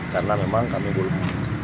karena memang kami belum